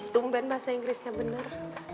tumben bahasa inggrisnya bener